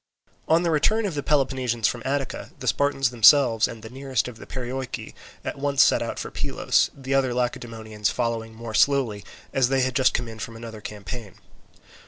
On the return of the Peloponnesians from Attica, the Spartans themselves and the nearest of the Perioeci at once set out for Pylos, the other Lacedaemonians following more slowly, as they had just come in from another campaign.